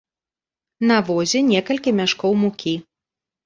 На возе некалькі мяшкоў мукі.